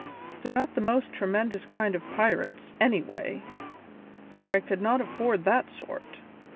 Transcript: They're not the most tremendous kind of pirates, anyway, for I could not afford that sort.